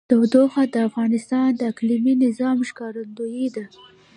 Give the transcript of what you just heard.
تودوخه د افغانستان د اقلیمي نظام ښکارندوی ده.